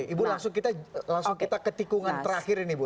oke ibu langsung kita ketikungan terakhir ini ibu